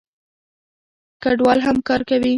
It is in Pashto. کډوال هم کار کوي.